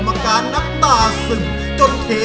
โดยการแข่งขาวของทีมเด็กเสียงดีจำนวนสองทีม